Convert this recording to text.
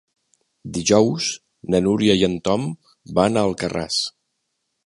Dijous na Núria i en Tom van a Alcarràs.